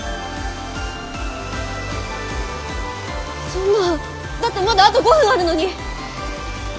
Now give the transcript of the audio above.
そんなだってまだあと５分あるのに！